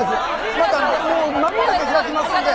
またもう間もなく開きますんで。